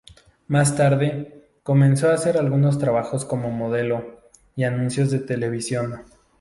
Más tarde, comenzó a hacer algunos trabajos como modelo y anuncios de televisión.